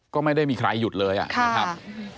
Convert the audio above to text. ก็ไม่ได้มีใครหยุดเลยนะครับมีคนค่ะ